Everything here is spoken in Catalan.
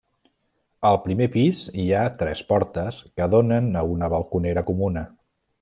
Al primer pis hi ha tres portes que donen a una balconera comuna.